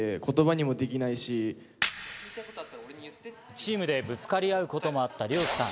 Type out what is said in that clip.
チームでぶつかり合うこともあったリョウキさん。